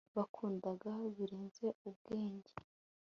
bakundanaga, birenze ubwenjye